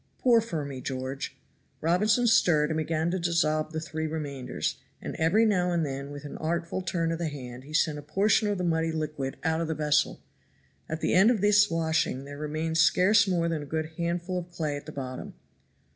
Pour for me, George." Robinson stirred and began to dissolve the three remainders, and every now and then with an artful turn of the hand he sent a portion of the muddy liquid out of the vessel. At the end of this washing there remained scarce more than a good handful of clay at the bottom.